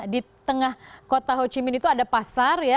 di tengah kota ho chi minh itu ada pasar